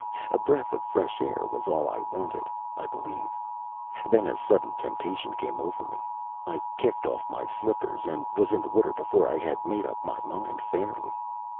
A breath of fresh air was all I wanted, I believe. Then a sudden temptation came over me. I kicked off my slippers and was in the water before I had made up my mind fairly.